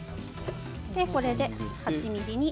これで８ｍｍに。